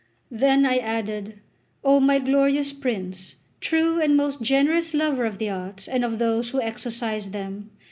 Then I added: "O my glorious prince, true and most generous lover of the arts, and of those who exercise them!